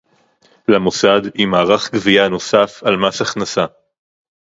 למוסד עם מערך גבייה נוסף על מס הכנסה